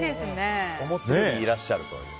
思ったよりいらっしゃるという。